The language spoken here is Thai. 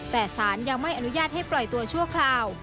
แต่สารยังไม่อนุญาตให้ปล่อยตัวชั่วคราว